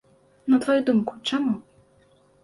На тваю думку, чаму?